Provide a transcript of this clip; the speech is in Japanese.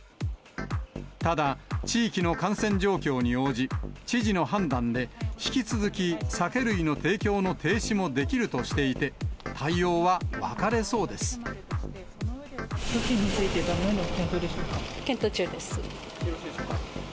ただ、地域の感染状況に応じ、知事の判断で、引き続き酒類の提供の停止もできるとしていて、対応は分かれそう措置について、検討中です。